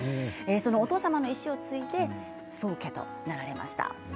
そのお父様の遺志を次いで宗家となられました。